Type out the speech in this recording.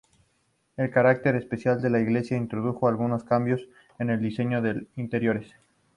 El carácter especial de la iglesia introdujo algunos cambios en el diseño de interiores.